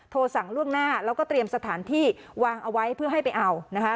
สั่งล่วงหน้าแล้วก็เตรียมสถานที่วางเอาไว้เพื่อให้ไปเอานะคะ